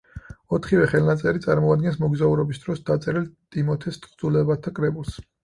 ოთხივე ხელნაწერი წარმოადგენს მოგზაურობის დროს დაწერილ ტიმოთეს თხზულებათა კრებულს.